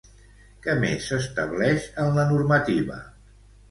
Què més s'estableix en la normativa?